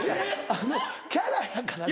あのキャラやから後藤。